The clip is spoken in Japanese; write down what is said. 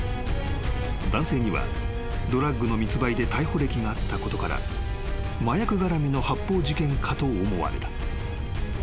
［男性にはドラッグの密売で逮捕歴があったことから麻薬がらみの発砲事件かと思われた］